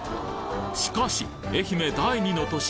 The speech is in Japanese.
しかし愛媛第二の都市